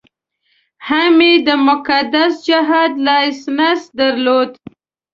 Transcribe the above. هم یې د مقدس جهاد لایسنس درلود.